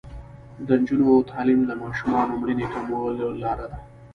د نجونو تعلیم د ماشومانو مړینې کمولو لاره ده.